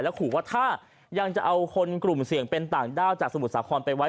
ขู่ว่าถ้ายังจะเอาคนกลุ่มเสี่ยงเป็นต่างด้าวจากสมุทรสาครไปไว้